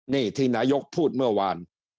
นี่ที่นายกพูดเมื่อวาน